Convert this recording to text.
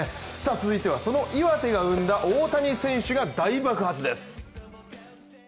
続いては、その岩手が生んだ大谷選手が大爆発です。